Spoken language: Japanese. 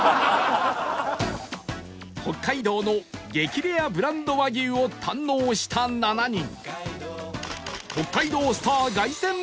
北海道の激レアブランド和牛を堪能した７人